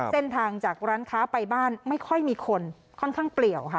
เส้นทางจากร้านค้าไปบ้านไม่ค่อยมีคนค่อนข้างเปลี่ยวค่ะ